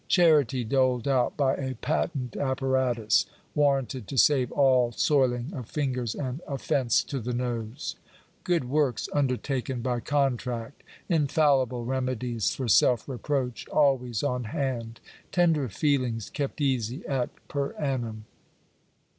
Charity doled out by a patent apparatus, warranted to save all soiling of fingers and offence to the nose. Good works Digitized by VjOOQIC POOR LAWS. 321 undertaken by contract. Infallible remedies for self reproach always on hand. Tender feelings kept easy at per annum."